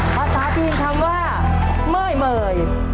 ภาษาจีนคำว่าเมื่อยเมย